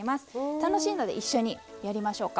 楽しいので一緒にやりましょうか。